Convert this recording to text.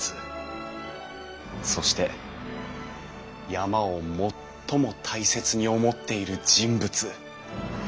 そして山を最も大切に思っている人物。